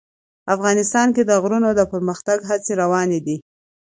افغانستان کې د غرونه د پرمختګ هڅې روانې دي.